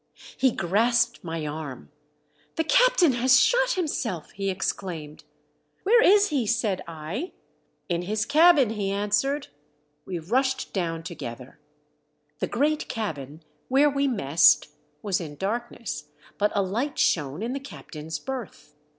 He grasped my arm. "The captain has shot himself!" he exclaimed. "Where is he?" said I. " In his cabin," he answered. We rushed down together. The great cabin, where we messed, was in darkness, but a light shone in the captain's berth.